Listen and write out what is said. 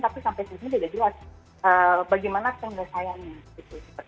tapi sampai saat ini tidak jelas bagaimana kita tidak sayangi